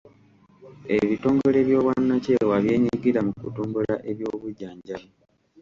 Ebitongole by'obwannakyewa byenyigira mu kutumbula eby'obujjanjabi.